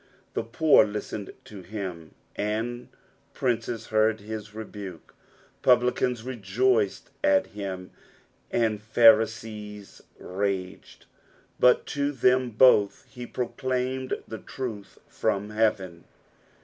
The poor listened to him, and princes heard his rebuke ; Publicans rejoiced at him, and Pharisees raged, but to them both he proclaimed the truth from heaven.